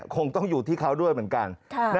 คงต้องอยู่ที่เขาด้วยเหมือนกัน